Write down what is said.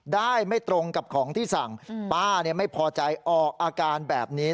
ได้ไม่ตรงกับของที่สั่งป้าไม่พอใจออกอาการแบบนี้